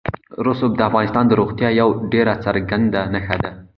رسوب د افغانستان د زرغونتیا یوه ډېره څرګنده نښه ده.